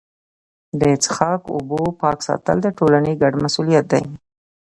د څښاک اوبو پاک ساتل د ټولني ګډ مسوولیت دی.